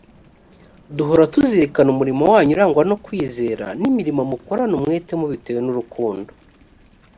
duhora tuzirikana umurimo wanyu urangwa no kwizera f n imirimo mukorana umwete mubitewe n urukundo